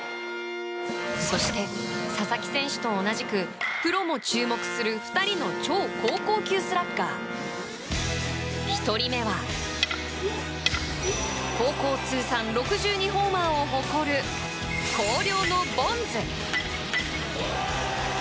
そして、佐々木選手と同じくプロも注目する２人の超高校級スラッガー１人目は高校通算６２ホーマーを誇る広陵のボンズ。